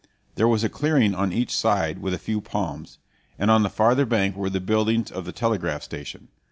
There was a clearing on each side with a few palms, and on the farther bank were the buildings of the telegraph station.